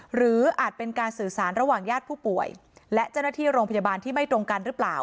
อาจเป็นการสื่อสารระหว่างญาติผู้ป่วยและเจ้าหน้าที่โรงพยาบาลที่ไม่ตรงกันหรือเปล่า